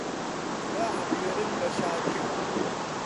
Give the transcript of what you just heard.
ڕائەبوێرن بە شادی